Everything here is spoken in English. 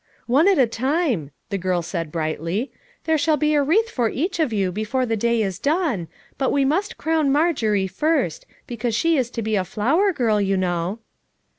"One at a time," the girl said brightly. "There shall be a wreath for each of you be FOUR MOTHERS AT CHAUTAUQUA 271 fore the day is done, but we must crown Mar jorie first, because she is to be a flower girl, you know."